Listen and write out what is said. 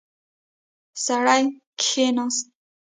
سړی کښیناست.